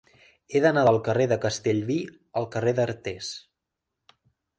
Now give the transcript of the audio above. He d'anar del carrer de Castellví al carrer d'Artés.